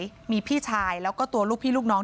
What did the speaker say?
พี่น้องของผู้เสียหายแล้วเสร็จแล้วมีการของผู้เสียหาย